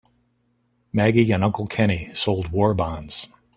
Maggie and Uncle Kenny sold war bonds.